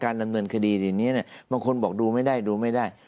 ดำเนินคดีทีนี้เนี่ยบางคนบอกดูไม่ได้ดูไม่ได้